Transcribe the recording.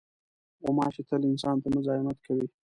غوماشې تل انسان ته مزاحمت کوي.